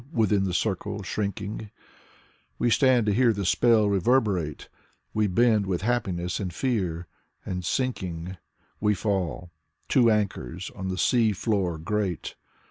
Within the circle shrinking We stand to hear the spell reverberate! We bend with happiness and fear, — and sinking, We fall : two anchors on the sea floor grate.